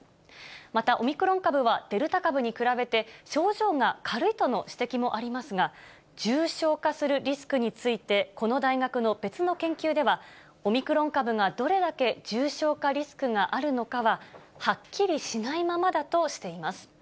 また、オミクロン株はデルタ株に比べて、症状が軽いとの指摘もありますが、重症化するリスクについて、この大学の別の研究では、オミクロン株がどれだけ重症化リスクがあるのかが、はっきりしないままだとしています。